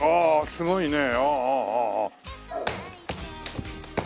すごいね！